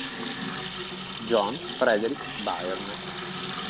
John Frederick Byrne